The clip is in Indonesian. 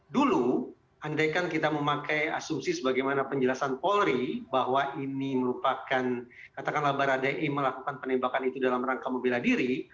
dulu andaikan kita memakai asumsi sebagaimana penjelasan polri bahwa ini merupakan katakanlah baradae melakukan penembakan itu dalam rangka membela diri